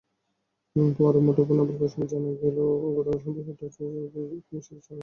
পরে মুঠোফোনে আবুল কাশেমের কাছে জানা গেল, গতকাল সন্ধ্যা সাতটায়ও তূর্ণা নিশীথা ছাড়েনি।